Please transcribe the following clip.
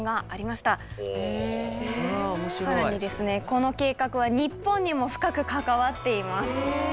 この計画は日本にも深く関わっています。